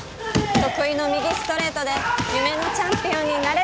得意の右ストレートで夢のチャンピオンになれるでしょうか？